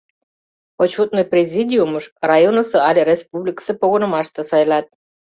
— Почётный президиумыш районысо але республикысе погынымаште сайлат.